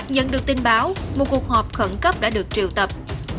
nhận được tin báo một cuộc họp khẩn cấp đã được triều tập